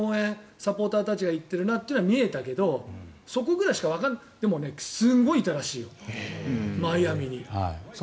サポーターたちが行っているのは見えたけどそこぐらいしかわからないでも、すごくいたらしいよマイアミに。